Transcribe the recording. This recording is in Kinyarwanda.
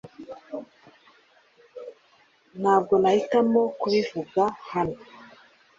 Ntabwo nahitamo kubivuga hano .